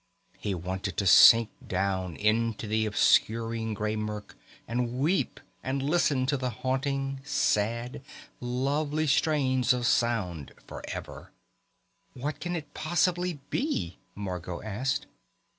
He wanted to sink down into the obscuring gray murk and weep and listen to the haunting, sad, lovely strains of sound forever. "What can it possibly be?" Margot asked.